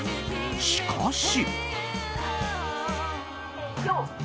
しかし。